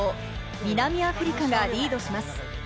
南アフリカがリードします。